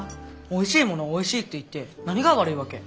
おいしいものをおいしいって言って何が悪いわけ？